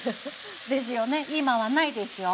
ですよね今はないでしょう？